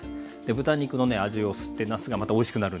豚肉のね味を吸ってなすがまたおいしくなるんですよ。